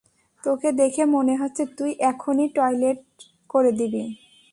তোকে দেখে মনে হচ্ছে তুই এখনি টয়লেট করে দিবি।